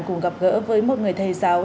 cùng gặp gỡ với một người thầy giáo